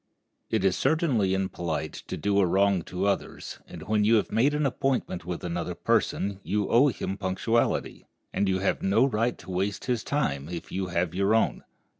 It is certainly impolite to do a wrong to others and when you have made an appointment with another person you owe him punctuality, and you have no right to waste his time if you have your own.